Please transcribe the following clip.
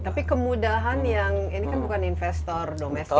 tapi kemudahan yang ini kan bukan investor domestik